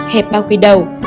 bảy hẹp bao quy đầu